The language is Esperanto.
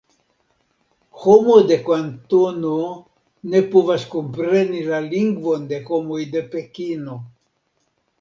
Homo de Kantono ne povas kompreni la lingvon de homoj de Pekino.